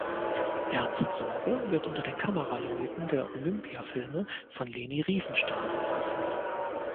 Ernst Sorge wird unter den Kameraleuten der Olympia Filme von Leni Riefenstahl aufgeführt.